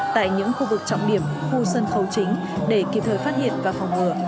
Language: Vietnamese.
tại những khu vực trọng điểm khu sân khấu chính để kịp thời phát hiện và phòng ngừa